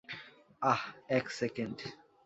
আহ, এক সেকেন্ড।